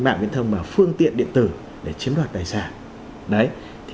mạng viễn thông và phương tiện điện tử để chiếm đoạt tài sản